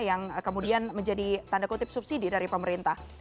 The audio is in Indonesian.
yang kemudian menjadi tanda kutip subsidi dari pemerintah